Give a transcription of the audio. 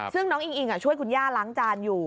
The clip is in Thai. ซึ่งน้องอิงอิงช่วยคุณย่าล้างจานอยู่